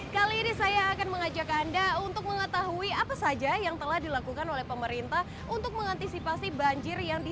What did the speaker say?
kali ini saya akan mengajak anda untuk mengetahui apa saja yang telah dilakukan pengendalian banjir ini